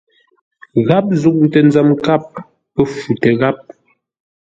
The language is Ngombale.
Gháp zûŋtə nzəm nkâp pə́ futə gháp.